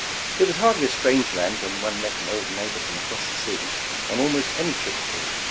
It was hardl}^ a strange land when one met an old neighbor from across the sea, on almost any trip abroad.